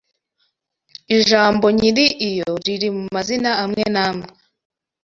Ijambo nyiri iyo riri mu mazina amwe n’amwe